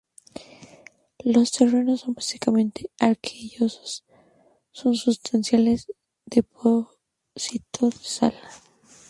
Los terrenos son básicamente arcillosos, con sustanciales depósitos de sal.